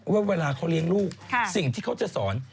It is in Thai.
ว่าเวลาเขาเลี้ยงลูกสิ่งที่เขาจะสอน